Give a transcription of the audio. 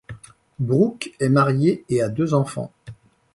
Brooke est mariée et a deux enfants.